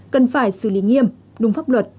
cần phải xử lý nghiêm đúng pháp luật